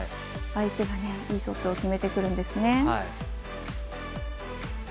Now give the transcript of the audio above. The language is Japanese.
相手がいいショットを決めてくるんですね。